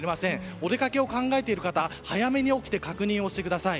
お出かけを考えている方早めに起きて確認してください。